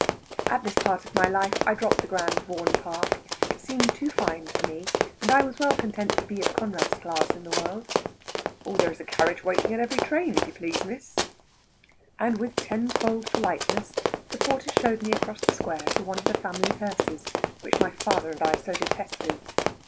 At this part of my life, I dropped the grand "Vaughan Park;" it seemed too fine for me, and I was well content to be of Conrad's class in the world. "Oh, there's a carriage waiting at every train, if you please, Miss." And with tenfold politeness the porter showed me across the square to one of the family hearses, which my father and I so detested.